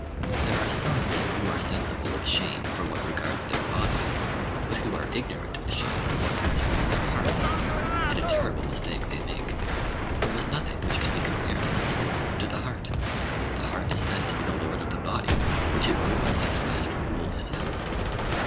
There are some men who are sensible of shame for what regards their bodies, but who are ignorant of shame for what concerns their hearts; and a terrible mistake they make. There is nothing which can be compared in importance to the heart. The heart is said to be the lord of the body, which it rules as a master rules his house.